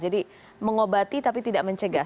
jadi mengobati tapi tidak mencegah